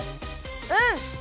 うん！